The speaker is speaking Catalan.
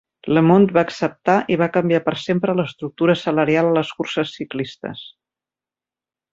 LeMond va acceptar, i va canviar per sempre l'estructura salarial a les curses ciclistes.